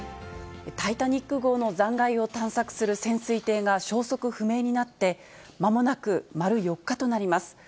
タイタニック号の残骸を探索する潜水艇が消息不明になって、まもなく丸４日となります。